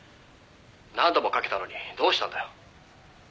「何度もかけたのにどうしたんだよ？」